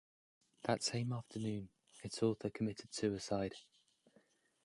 That same afternoon, its author committed suicide.